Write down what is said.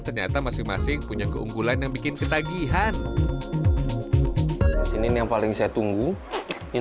ternyata masing masing punya keunggulan yang bikin ketagihan ini yang paling saya tunggu yang